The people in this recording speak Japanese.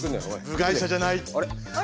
部外者じゃない。